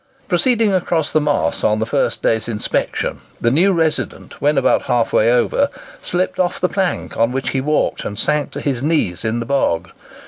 Proceeding across the Moss, on the first day's inspection, the new resident, when about halfway over, slipped off the plank on which he walked, and sank to his knees in the bog.